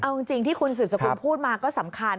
เอาจริงที่คุณสืบสกุลพูดมาก็สำคัญ